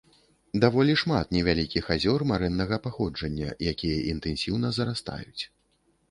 Даволі шмат невялікіх азёр марэннага паходжання, якія інтэнсіўна зарастаюць.